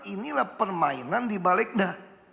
inilah permainan di balikda